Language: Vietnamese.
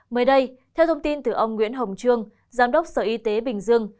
mới đây theo thông tin từ ông nguyễn hồng trương giám đốc sở y tế bình dương